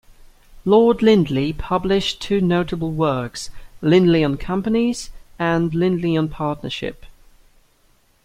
Lord Lindley published two notable works, "Lindley on Companies" and "Lindley on Partnership".